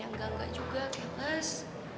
enggak enggak juga kelas